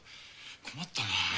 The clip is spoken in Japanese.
困ったな。